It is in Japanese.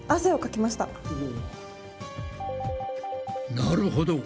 なるほど。